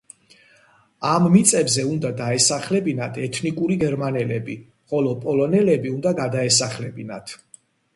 ამ მიწებზე უნდა დაესახლებინათ ეთნიკური გერმანელები, ხოლო პოლონელები უნდა გადაესახლებინათ.